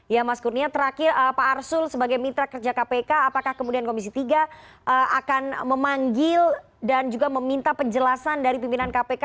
ya mas kurnia terakhir pak arsul sebagai mitra kerja kpk apakah kemudian komisi tiga akan memanggil dan juga meminta penjelasan dari pimpinan kpk